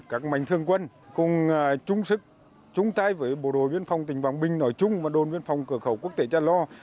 các mảnh thương quân cùng chung sức chung tay với bộ đội biên phòng tỉnh vàng binh nói chung và đồn biên phòng cửa khẩu quốc tế cha lo